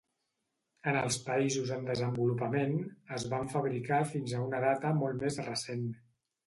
En els països en desenvolupament, es van fabricar fins a una data molt més recent.